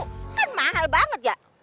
kan mahal banget ya